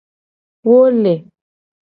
Wo le.